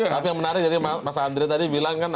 tapi yang menarik jadi mas andri tadi bilang kan